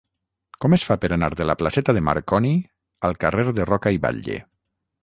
Com es fa per anar de la placeta de Marconi al carrer de Roca i Batlle?